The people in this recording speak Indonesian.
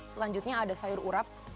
selanjutnya ada sayur urap